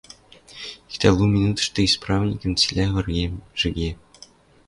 Иктӓ лу минутышты исправникӹн цилӓ выргемжӹге: